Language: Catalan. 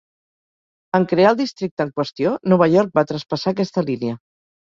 En crear el districte en qüestió, Nova York va traspassar aquesta línia.